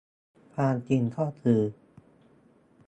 ความจริงก็คือ